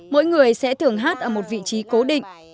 mỗi người sẽ thường hát ở một vị trí cố định